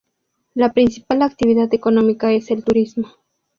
La principal actividad económica es el turismo.